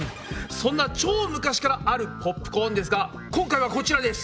そんな超昔からあるポップコーンですが今回はこちらです。